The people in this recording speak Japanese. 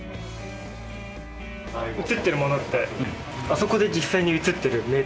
映ってるものってあそこで実際に映ってるメータなんですよ。